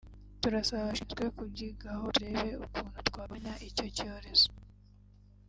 Turasaba ababishinzwe kubyigaho turebe ukuntu twagabanya icyo cyorezo”